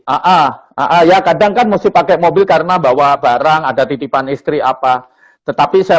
aa aaya kadangkan musti pakai mobil karena bawa barang ada titipan istri apa tetapi saya